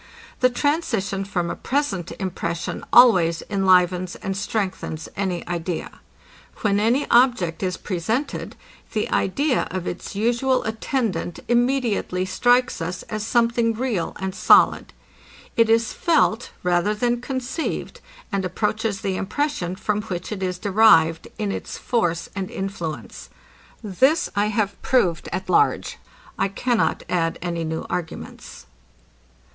The transition from a present impression, always enlivens and strengthens any idea. When any object is presented, the idea of its usual attendant immediately strikes us, as something real and solid. It is felt, rather than conceived, and approaches the impression, from which it is derived, in its force and influence. This I have proved at large. I cannot add any new arguments.